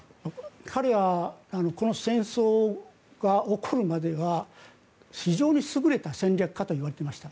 彼はこの戦争が起こるまでは非常に優れた戦略家といわれていました。